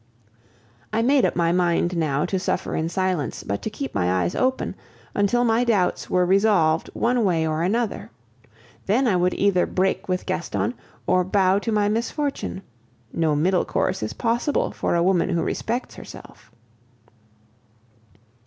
I made up my mind now to suffer in silence, but to keep my eyes open, until my doubts were resolved one way or another. Then I would either break with Gaston or bow to my misfortune: no middle course is possible for a woman who respects herself.